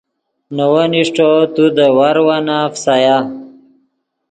نے ون اݰٹو تو دے واروانہ فیسایا